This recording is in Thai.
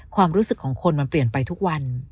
ความรู้สึกของคนมันเปลี่ยนไปทุกวัน